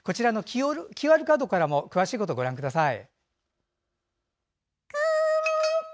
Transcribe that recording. ＱＲコードからも詳しいこと、ご覧ください。